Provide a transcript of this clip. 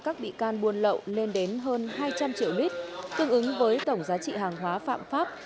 các bị can buôn lậu lên đến hơn hai trăm linh triệu lít tương ứng với tổng giá trị hàng hóa phạm pháp